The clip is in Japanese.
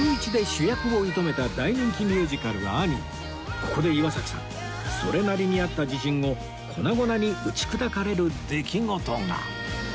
ここで岩崎さんそれなりにあった自信を粉々に打ち砕かれる出来事が